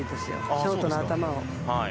ショートの頭を。